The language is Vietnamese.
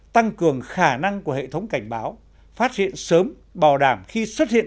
tăng cường khả năng của hệ thống cảnh báo phát hiện sớm bảo đảm khi xuất hiện